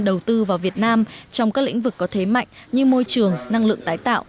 đầu tư vào việt nam trong các lĩnh vực có thế mạnh như môi trường năng lượng tái tạo